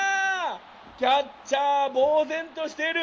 キャッチャーぼう然としている！